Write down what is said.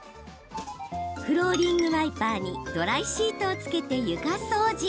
フローリングワイパーにドライシートをつけて床掃除。